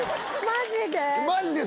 マジです。